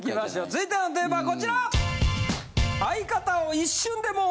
続いてのテーマはこちら！